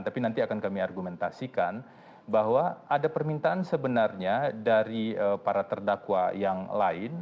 tapi nanti akan kami argumentasikan bahwa ada permintaan sebenarnya dari para terdakwa yang lain